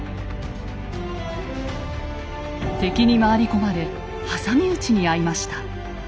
敵に回り込まれ挟み撃ちに遭いました。